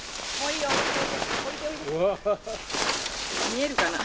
見えるかな？